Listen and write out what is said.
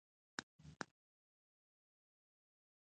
ولوېدمه.